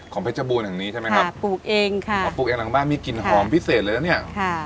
เพชรบูรณ์แห่งนี้ใช่ไหมครับปลูกเองค่ะพอปลูกเองหลังบ้านมีกลิ่นหอมพิเศษเลยนะเนี่ยค่ะ